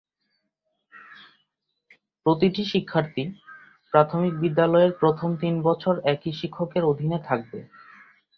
প্রতিটি শিক্ষার্থী প্রাথমিক বিদ্যালয়ের প্রথম তিন বছর একই শিক্ষকের অধীনে থাকবে।